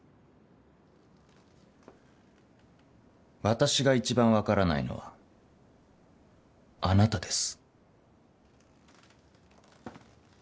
私が一番分からないのはあなたです。